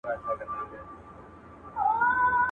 خوريى د ماما د مېني لېوه دئ.